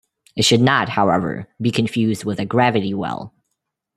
It should not, however, be confused with a gravity well.